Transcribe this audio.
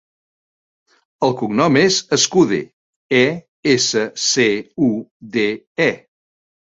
El cognom és Escude: e, essa, ce, u, de, e.